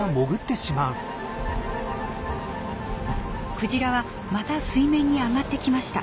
クジラはまた水面に上がってきました。